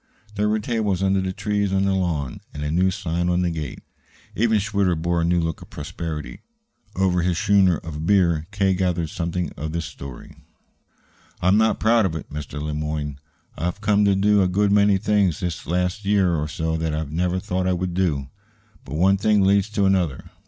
There were tables under the trees on the lawn, and a new sign on the gate. Even Schwitter bore a new look of prosperity. Over his schooner of beer K. gathered something of the story. "I'm not proud of it, Mr. Le Moyne. I've come to do a good many things the last year or so that I never thought I would do. But one thing leads to another.